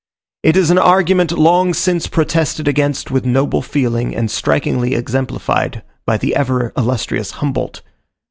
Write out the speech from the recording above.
It is an argument long since protested against with noble feeling, and strikingly exemplified, by the ever illustrious Humboldt.